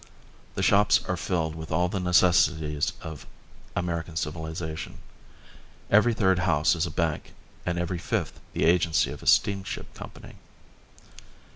The shops are filled with all the necessities of American civilisation. Every third house is a bank and every fifth the agency of a steamship company.